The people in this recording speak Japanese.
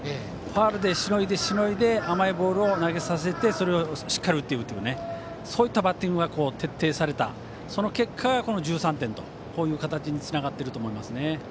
ファウルでしのいで、しのいで甘いボールを投げさせてそれをしっかり打つというそういったバッティングが徹底されたその結果、１３点という形につながっていると思いますね。